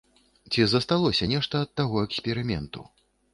Ці засталося нешта ад таго эксперыменту?